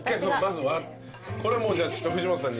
これじゃあ藤本さんに。